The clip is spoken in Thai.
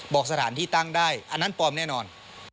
บอกสถานที่ตั้งได้อันนั้นปลอมแน่นอน